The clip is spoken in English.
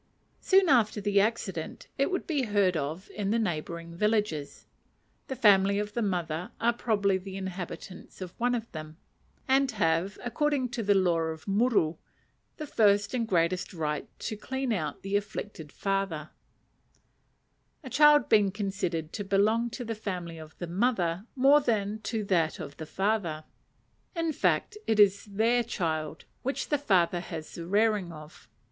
Soon after the accident it would be heard of in the neighbouring villages; the family of the mother are probably the inhabitants of one of them, and have, according to the law of muru, the first and greatest right to clean out the afflicted father; a child being considered to belong to the family of the mother more than to that of the father in fact, it is their child, which the father has the rearing of.